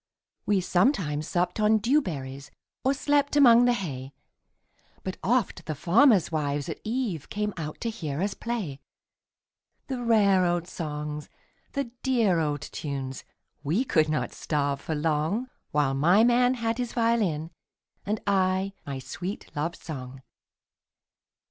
We sometimes supped on dew berries, Or slept among the hay, But oft the farmers' wives at eveCame out to hear us play; The rare old songs, the dear old tunes,—We could not starve for longWhile my man had his violin, And I my sweet love song.